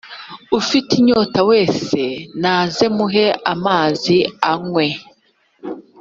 ufite inyota wese naze muhe amazi anywe